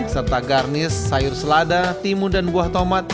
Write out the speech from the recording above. serta garnis sayur selada timun dan buah tomat